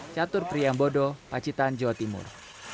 catur priambodo pacitan jawa timur